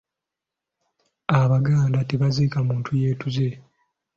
Abaganda tebaziika muntu yeetuze.